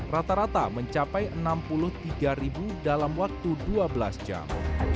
rata rata mencapai enam puluh tiga ribu dalam waktu dua belas jam